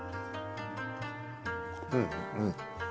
うんうん。